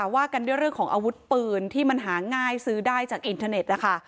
ว่ากันด้วยเรื่องของอาวุธปืนที่มันหาง่ายซื้อได้จากอินเทอร์เน็ตนะคะ